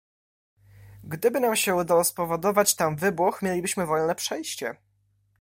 "Gdyby nam się udało spowodować tam wybuch, mielibyśmy wolne przejście."